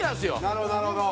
なるほどなるほど。